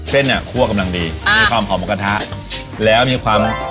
เส้นเนี่ยคั่วกำลังดีมีความหอมหมูกระทะแล้วมีความ